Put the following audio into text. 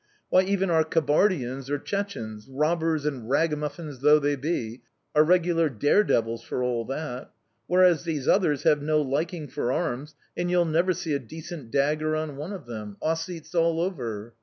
Why even our Kabardians or Chechenes, robbers and ragamuffins though they be, are regular dare devils for all that. Whereas these others have no liking for arms, and you'll never see a decent dagger on one of them! Ossetes all over!"